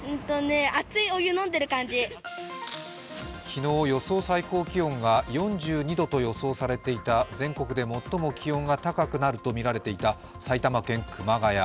昨日、予想最高気温が４２度と予想されていた全国で最も気温が高くなるとみられていた埼玉県熊谷。